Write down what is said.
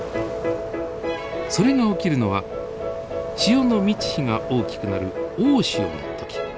それが起きるのは潮の満ち干が大きくなる大潮の時。